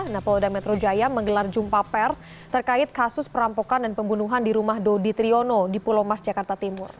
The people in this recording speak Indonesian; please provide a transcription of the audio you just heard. nah polda metro jaya menggelar jumpa pers terkait kasus perampokan dan pembunuhan di rumah dodi triyono di pulau mas jakarta timur